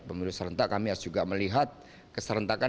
pemilu serentak kami harus juga melihat keserentakan